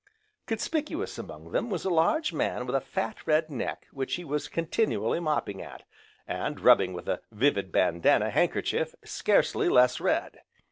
Conspicuous among them was a large man with a fat, red neck which he was continually mopping at, and rubbing with a vivid bandanna handkerchief scarcely less red.